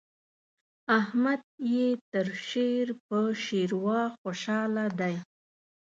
احمد يې تر شير په شېروا خوشاله دی.